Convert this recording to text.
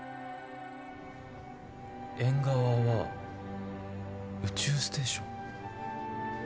縁側は宇宙ステーション。